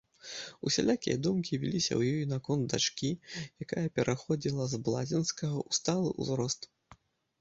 Усялякія думкі віліся ў ёй наконт дачкі, якая пераходзіла з блазенскага ў сталы ўзрост.